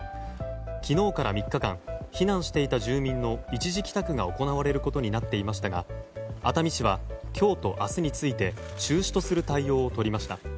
昨日から３日間避難していた住民の一時帰宅が行われることになっていましたが、熱海市は今日と明日について中止とする対応を取りました。